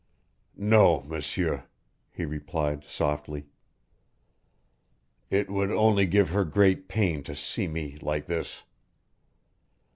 "No, M'sieur," he replied, softly. "It would only give her great pain to see me like this.